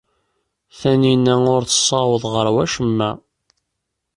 Taninna ur tessaweḍ ɣer wacemma.